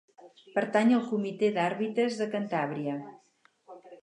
Pertany al Comitè d'Àrbitres de Cantàbria.